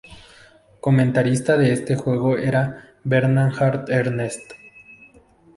Comentarista en este juego era Bernhard Ernst.